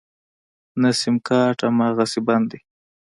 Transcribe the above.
نه سيمکارټ امغسې بند دی.